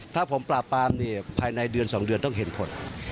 ถ้าผมปราบปรามภายในเดือน๒เดือนต้องเห็นผล